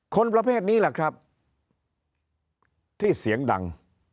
คนประเภทนี้แหละครับที่เสียงดัง